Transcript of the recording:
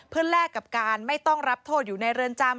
เพื่อแลกกับการไม่ต้องรับโทษอยู่ในเรือนจำ